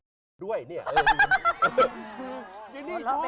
บล๋อดด้วยเนี่ยอ่าค่ะคือยิ้นนี่ชอบมากนี่เป็นนักเอกนั้น